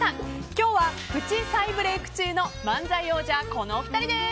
今日はプチ再ブレーク中の漫才王者、この２人です。